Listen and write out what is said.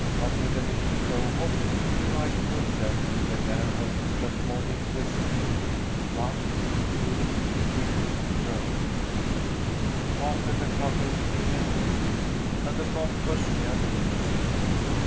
But with a little crow hop she righted herself and began her spasmodic whispering, "One, two, three throw!" After the couple came M'haley and the pompous young minister.